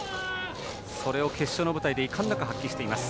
それを決勝の舞台でいかんなく発揮しています。